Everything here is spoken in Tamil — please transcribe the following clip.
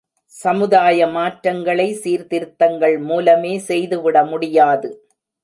சமுதாய மாற்றங்களை, சீர்திருத்தங்கள் மூலமே செய்துவிட முடியாது.